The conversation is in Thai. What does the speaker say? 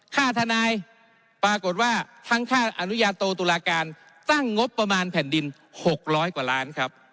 ค่าทนายปรากฏว่าทั้งค่าอนุญาโตตุลาการตั้งงบประมาณแผ่นดิน๖๐๐กว่าล้านครับ